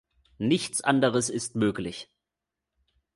Nichts anderes ist möglich.